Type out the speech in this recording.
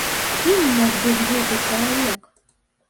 Кім мог быць гэты чалавек?